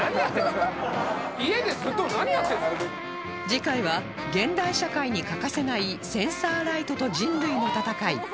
次回は現代社会に欠かせないセンサーライトと人類の戦い